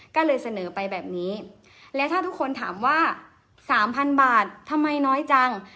ก็เลยเสนอไปแบบนี้และถ้าทุกคนถามว่าสามพันบาททำไมน้อยจัง